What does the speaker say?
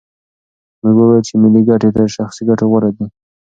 موږ وویل چې ملي ګټې تر شخصي ګټو غوره دي.